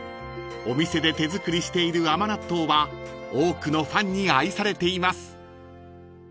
［お店で手作りしている甘納豆は多くのファンに愛されています］